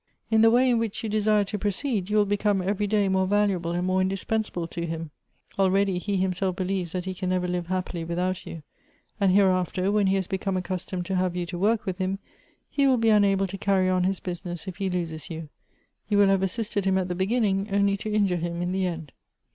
In the way in which you desire to proceed, you will become every day more valuable and more indispensable to him. Already he himself be lieves that he can never live happily without you, .and here after, when he has become accustomed to have you to work with him, he will be unable to carry on his business if he loses you ; you will have assisted him at the begin ning only to injure him in the end."